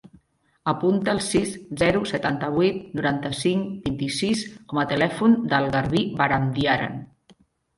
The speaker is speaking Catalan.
Apunta el sis, zero, setanta-vuit, noranta-cinc, vint-i-sis com a telèfon del Garbí Barandiaran.